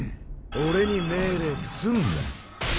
俺に命令すんな。